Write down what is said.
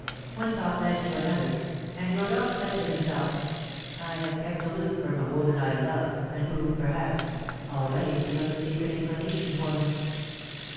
One thought led to another, and Rodolph said to himself, "I have kept aloof from a woman I love, and who, perhaps, already feels a secret inclination for me.